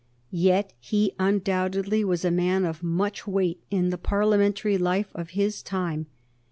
Yet he undoubtedly was a man of much weight in the Parliamentary life of his time.